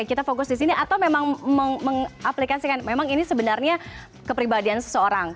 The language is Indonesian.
kita fokus di sini atau memang mengaplikasikan memang ini sebenarnya kepribadian seseorang